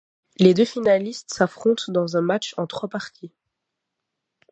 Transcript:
Les deux finalistes s'affrontent dans un match en trois parties.